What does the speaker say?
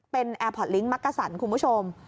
เป็นแอร์พอร์ตลิงค์มักกะสันคุณผู้ชม